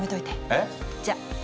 えっ？じゃ。